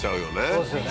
そうですよね